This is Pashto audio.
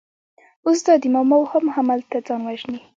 اوس دا دی مومو هم هملته ځان وژني.